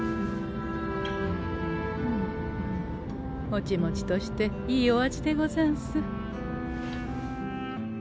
モチモチとしていいお味でござんす。